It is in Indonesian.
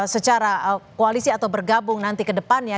secara koalisi atau bergabung nanti ke depannya